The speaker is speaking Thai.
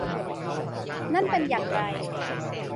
นั่นเป็นอย่างไร